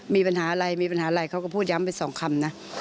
มีปัญหาอะไรเขาก็พูดย้ำไปสองคำนะ